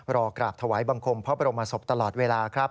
กราบถวายบังคมพระบรมศพตลอดเวลาครับ